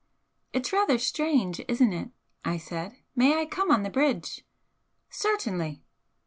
"It's rather strange, isn't it?" I said "May I come on the bridge?" "Certainly."